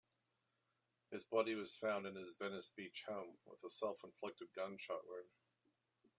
His body was found in his Venice beach home with a self-inflicted gunshot wound.